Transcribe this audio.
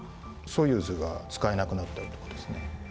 ソユーズが使えなくなったりとかですね